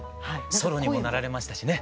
ソロにもなられましたしね。